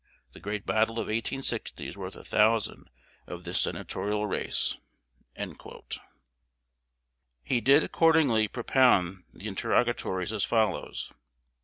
The great battle of 1860 is worth a thousand of this senatorial race." He did accordingly propound the interrogatories as follows: 1.